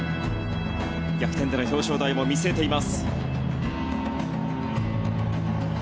逆転での表彰台も見据えています。